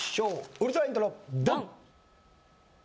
ウルトライントロドン！